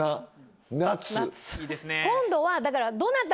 今度はだから。